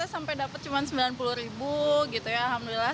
sampai dapat cuma sembilan puluh ribu gitu ya alhamdulillah